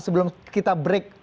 sebelum kita break